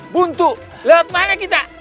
buntu lewat mana kita